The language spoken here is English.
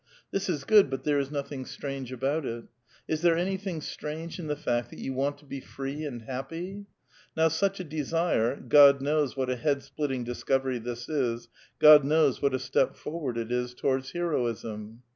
This is good, but there is nothing strange about it. Is there anything strange in the fact that yow want to be free \and hapi)y ? Now such a desire — God knows what a head ' splitting discovery this is; God knows what a step forward it is towards heroism